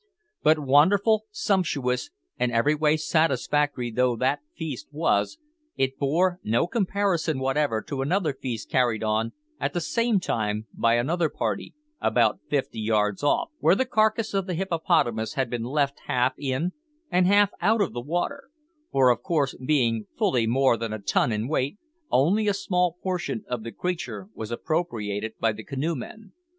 But wonderful, sumptuous, and every way satisfactory though that feast was, it bore no comparison whatever to another feast carried on at the same time by another party, about fifty yards off, where the carcase of the hippopotamus had been left half in and half out of the water for, of course, being fully more than a ton in weight, only a small portion of the creature was appropriated by the canoe men.